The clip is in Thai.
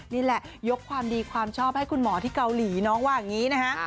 นี่แหละยกความดีความชอบให้คุณหมอที่เกาหลีน้องว่าอย่างนี้นะฮะ